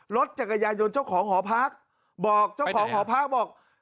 รถจักรยานยนต์เจ้าของหอพักบอกเจ้าของหอพักบอก